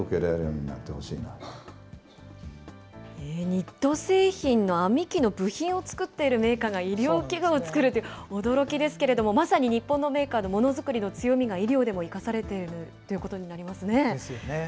ニット製品の編み機の部品を作っているメーカーが、医療器具を作るという、驚きですけれども、まさに日本のメーカーのものづくりの強みが医療でも生かされていですよね。